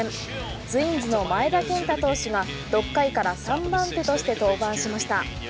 ツインズの前田健太投手が６回から３番手として登板しました。